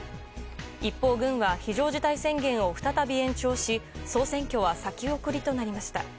一方、軍は非常事態宣言を再び延長し総選挙は先送りとなりました。